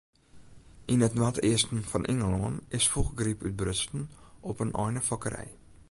Yn it noardeasten fan Ingelân is fûgelgryp útbrutsen op in einefokkerij.